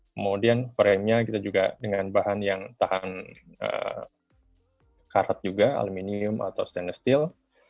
kemudian preminya kita juga dengan bahan yang tahan karat juga aluminium atau stainless steel